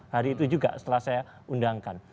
hari itu juga setelah saya undangkan